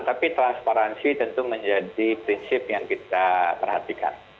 tapi transparansi tentu menjadi prinsip yang kita perhatikan